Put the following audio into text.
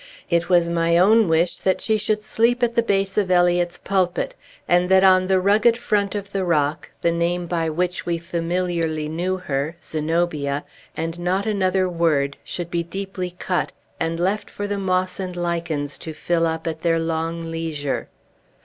It was my own wish that she should sleep at the base of Eliot's pulpit, and that on the rugged front of the rock the name by which we familiarly knew her, Zenobia, and not another word, should be deeply cut, and left for the moss and lichens to fill up at their long leisure.